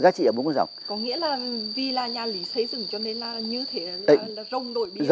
vì là nhà lý xây dựng cho nên là như thế là rồng đội bia